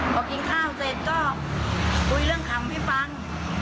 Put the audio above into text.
พอกินข้าวเสร็จก็คุยเรื่องขำให้ฟัง